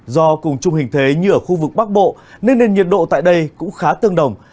do cùng chung hình thế như ở khu vực bắc bộ nên nền nhiệt độ tại đây cũng khá tương đồng